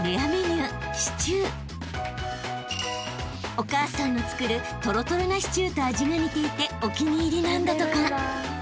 ［お母さんの作るとろとろなシチューと味が似ていてお気に入りなんだとか］